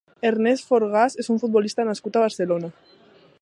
Ernest Forgàs és un futbolista nascut a Barcelona.